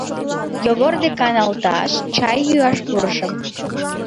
Йогор дек каналташ, чай йӱаш пурышым.